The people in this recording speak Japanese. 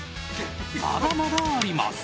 まだまだあります！